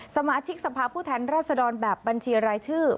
สมาชิกสภาพผู้แทนรัศดรแบบบัญชีรายชื่อ